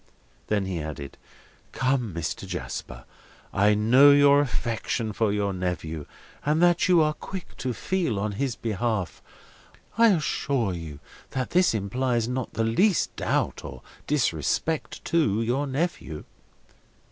Then he added: "Come, Mr. Jasper; I know your affection for your nephew, and that you are quick to feel on his behalf. I assure you that this implies not the least doubt of, or disrespect to, your nephew."